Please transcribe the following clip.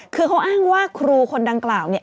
คือเขาอ้างว่าครูคนดังกล่าวเนี่ย